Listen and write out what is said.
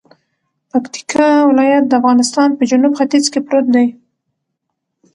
پکتیکا ولایت دافغانستان په جنوب ختیځ کې پروت دی